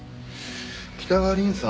北川凛さん